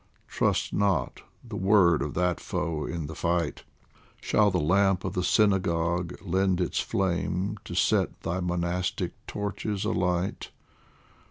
Trust not the word of that foe in the fight ! Shall the lamp of the synagogue lend its flame To set thy monastic torches alight